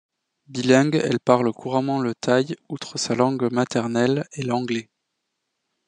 Bilingue, elle parle couramment le Thaï, outre sa langue maternelle et l'Anglais.